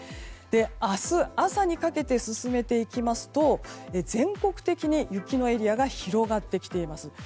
明日朝にかけて進めていきますと全国的に雪のエリアが広がってきています。